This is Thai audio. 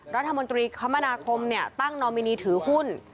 รัฐมนตรีคมนาคมตั้งนอมินีถือหุ้น